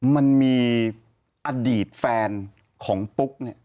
มันมีอดีตแฟนของปุ๊กเนี่ย